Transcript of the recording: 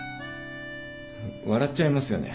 笑っちゃいますよね。